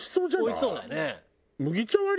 おいしそうだよね。